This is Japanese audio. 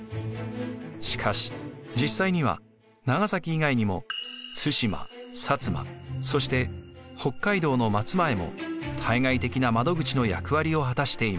しかし実際には長崎以外にも対馬摩そして北海道の松前も対外的な窓口の役割を果たしていました。